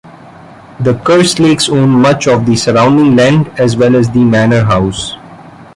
The Kerslakes owned much of the surrounding land as well as the manor house.